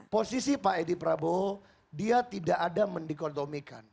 posisi pak edi prabowo dia tidak ada mendikotomikan